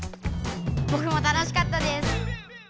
ぼくも楽しかったです！